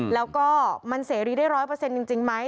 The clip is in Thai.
แล้วก็มันเสรีได้๑๐๐จริงไหม